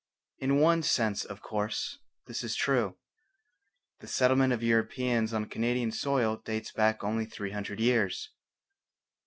In one sense, of course, this is true. The settlement of Europeans on Canadian soil dates back only three hundred years.